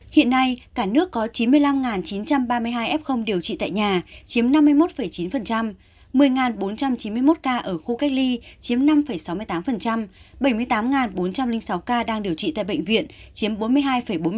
hiện nay cả nước có chín mươi năm chín trăm ba mươi hai f điều trị tại nhà chiếm năm mươi một chín một mươi bốn trăm chín mươi một ca ở khu cách ly chiếm năm sáu mươi tám bảy mươi tám bốn trăm linh sáu ca đang điều trị tại bệnh viện chiếm bốn mươi hai bốn mươi chín